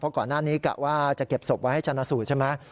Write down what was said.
ก่อนหน้านี้กะว่าจะเก็บศพไว้ให้ชนะสูตรใช่ไหม